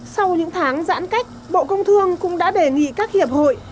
sau những tháng giãn cách bộ công thương cũng đã đề nghị các hiệp hội